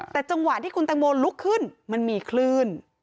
แต่จังหวะที่คุณตังโมลุกขึ้นมันมีคลื่น